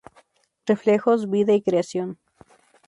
Reflejos: vida y creación".